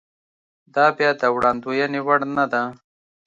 دا بیا د وړاندوېنې وړ نه ده.